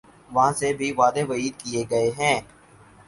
وہاں سے بھی وعدے وعید کیے گئے ہیں۔